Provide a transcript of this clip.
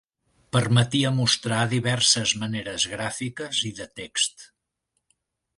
Permetia mostrar diverses maneres gràfiques i de text.